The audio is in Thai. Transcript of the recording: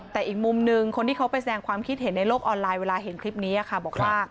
แต่อีกมุมหนึ่งคนที่เขาไปแสดงความคิดเห็นในโลกออนไลน์เวลาเห็นคลิปนี้ค่ะบอกว่า